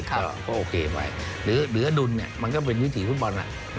ก็โอเคไปหรืออดุลมันก็เป็นวิถีฟุตบอล